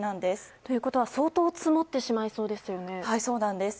ということは相当積もってしまいそうですね。